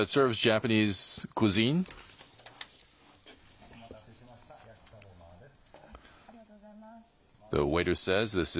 ありがとうございます。